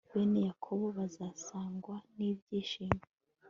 bene yakobo bazasagwa n'ibyishimo